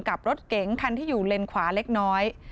กับรถเก๋งคันที่อยู่เลนขวาเล็กน้อย